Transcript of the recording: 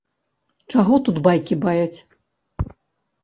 Чаго тут байкі баяць!